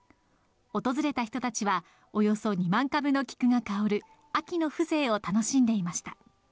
訪れた人たちは、およそ２万株の菊が香る秋の風情を楽しんでいました。